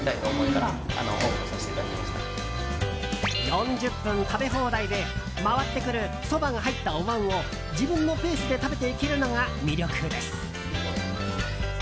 ４０分食べ放題で回ってくるそばが入ったお椀を自分のペースで食べていけるのが魅力です。